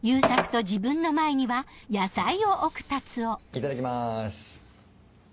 いただきます。